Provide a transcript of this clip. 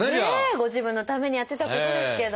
ご自分のためにやってたことですけど。